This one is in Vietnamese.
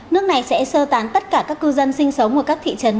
nước này sẽ sơ tán tất cả các cư dân sinh sống ở các thị trấn